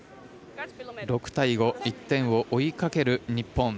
６対５１点を追いかける日本。